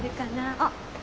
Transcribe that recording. あっ。